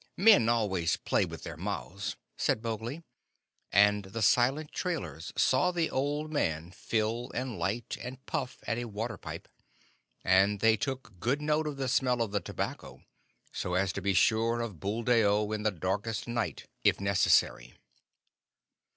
Men always play with their mouths," said Mowgli; and the silent trailers saw the old man fill and light and puff at a water pipe, and they took good note of the smell of the tobacco, so as to be sure of Buldeo in the darkest night, if necessary.